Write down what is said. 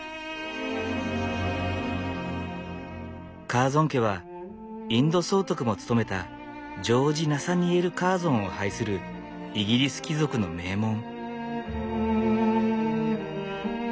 カーゾン家はインド総督も務めたジョージ・ナサニエル・カーゾンを拝するイギリス貴族の名門。